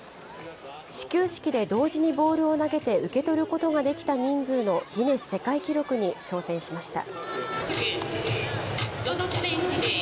始球式で同時にボールを投げて受け取ることが出来た人数のギネス世界記録に挑戦しました。